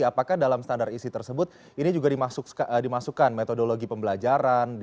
apakah dalam standar isi tersebut ini juga dimasukkan metodologi pembelajaran